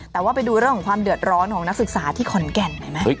แต่ว่าไปดูเรื่องของความเดือดร้อนของนักศึกษาที่ขอนแก่นหน่อยไหม